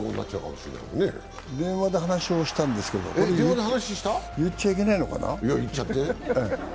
電話で話をしたんですけど、これ、言っちゃいけないのかな。